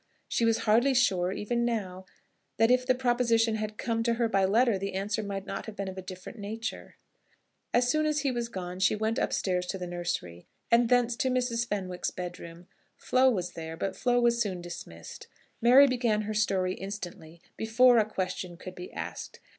She was hardly sure even now that if the proposition had come to her by letter the answer might not have been of a different nature. As soon as he was gone she went upstairs to the nursery, and thence to Mrs. Fenwick's bedroom. Flo was there, but Flo was soon dismissed. Mary began her story instantly, before a question could be asked.